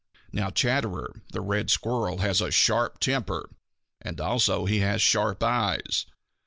Now Chatterer the Red Squirrel has a sharp temper, and also he has sharp eyes.